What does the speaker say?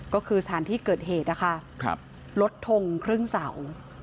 ก็คือสถานที่เกิดเหตุนะคะลดทงครึ่งเสา